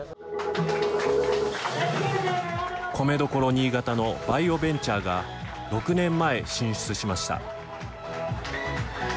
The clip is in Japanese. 米どころ新潟のバイオベンチャーが６年前、進出しました。